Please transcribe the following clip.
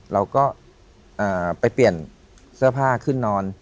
เราก็ไปเปลี่ยนเสื้อผ้าขึ้นนอน